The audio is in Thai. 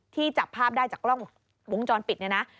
จับภาพได้จากกล้องวงจรปิดเนี่ยนะ